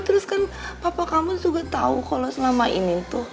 terus kan papa kamu juga tahu kalau selama ini tuh